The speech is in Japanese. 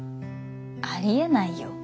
ありえないよ。